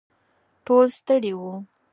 ټول ستړي وو.